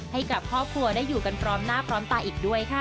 ให้กับครอบครัวได้อยู่กันพร้อมหน้าพร้อมตาอีกด้วยค่ะ